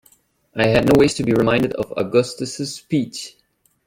I had no wish to be reminded of Augustus's speech.